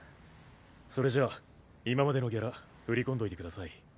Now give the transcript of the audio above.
それじゃ今までのギャラ振り込んどいてください。